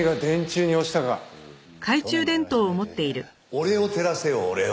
俺を照らせよ俺を。